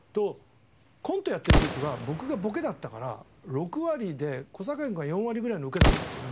コントやってる時は僕がボケだったから６割で小堺君が４割ぐらいのウケだったんですよ。